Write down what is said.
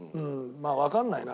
まあわかんないな。